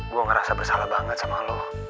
gue ngerasa bersalah banget sama lo